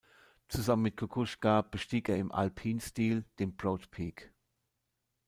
Zusammen mit Kukuczka bestieg er im Alpinstil den Broad Peak.